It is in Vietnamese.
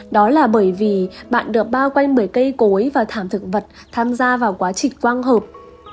đó là bởi vì bạn được bao quanh bởi cây cối và thảm thực vật tham gia vào quá trình quang hợp